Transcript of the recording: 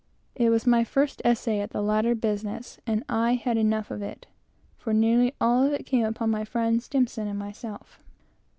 This was my first essay at this latter business, and I had enough of it; for nearly all of it came upon my friend S and myself.